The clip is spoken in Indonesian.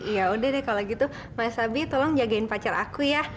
ya udah deh kalau gitu mas habi tolong jagain pacar aku ya